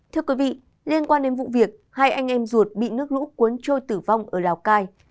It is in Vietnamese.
thưa quý vị liên quan đến vụ việc hai anh em ruột bị nước lũ cuốn trôi tử vong ở lào cai